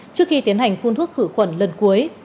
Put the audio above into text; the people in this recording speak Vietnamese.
trước khi tiến hành phun thuốc khử khuẩn lần cuối